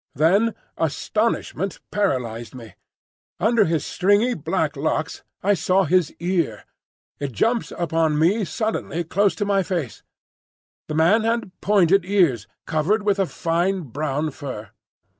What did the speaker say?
Then astonishment paralysed me. Under his stringy black locks I saw his ear; it jumped upon me suddenly close to my face. The man had pointed ears, covered with a fine brown fur!